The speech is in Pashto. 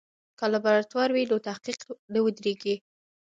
که لابراتوار وي نو تحقیق نه ودریږي.